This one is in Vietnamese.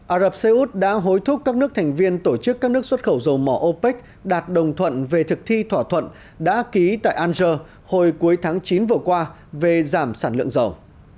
ả rập xê út đã hối thúc các nước thành viên tổ chức các nước xuất khẩu dầu mỏ opec đạt đồng thuận về thực thi thỏa thuận đã ký tại ander hồi cuối tháng chín vừa qua về giảm sản lượng dầu